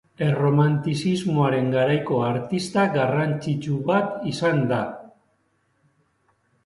Erromantizismoaren garaiko artista garrantzitsu bat izan da.